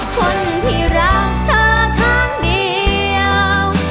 คนที่รักเธอครั้งเดียว